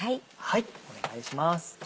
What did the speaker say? お願いします